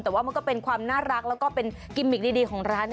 แต่ว่ามันก็เป็นความน่ารักแล้วก็เป็นกิมมิกดีของร้าน